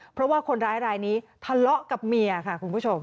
เพราะว่าคนร้ายรายนี้ทะเลาะกับเมียค่ะคุณผู้ชม